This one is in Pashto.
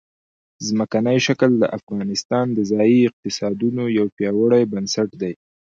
ځمکنی شکل د افغانستان د ځایي اقتصادونو یو پیاوړی بنسټ دی.